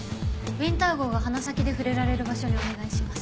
ウィンター号が鼻先で触れられる場所にお願いします。